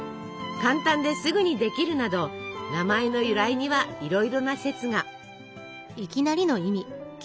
簡単ですぐにできるなど名前の由来にはいろいろな説が。